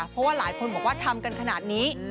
เพราะว่าหลายคนบอกว่าทำกันขนาดนี้